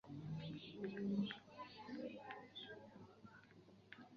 不过固定财产一词日渐少使用了。